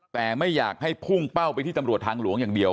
แต่ไม่อยากให้พุ่งเป้าไปที่ตำรวจทางหลวงอย่างเดียว